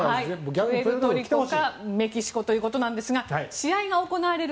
プエルトリコかメキシコということですが試合が行われる